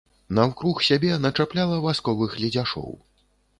Наўкруг сябе начапляла васковых ледзяшоў.